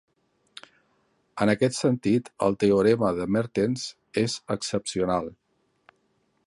En aquest sentit, el teorema de Mertens és excepcional.